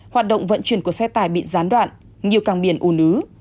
hoạt động vận chuyển của xe tải bị gián đoạn nhiều càng biển ồn ứ